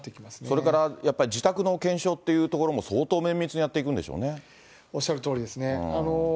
それからやっぱり、自宅の検証っていうところも、相当綿密におっしゃるとおりですね。